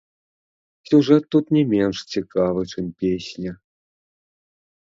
Сюжэт тут не менш цікавы, чым песня.